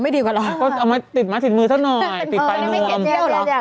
อ๋อไม่ดีกว่าหรอก็เอามาติดมาติดมือเท่าหน่อยติดไปโน้มเอามาเที่ยวเนี่ย